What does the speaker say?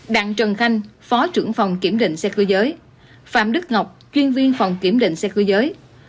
đặng trần khanh phó trưởng phòng kiểm định xe cơ giới phạm đức ngọc chuyên viên phòng kiểm định xe cơ giới